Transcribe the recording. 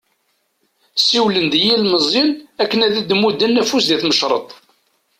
Siwlen-d i yilmeẓyen akken ad d-mudden afus di tmecreḍt.